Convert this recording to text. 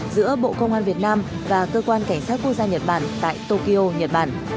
giữa bộ công an việt nam và cơ quan cảnh sát quốc gia nhật bản tại tokyo nhật bản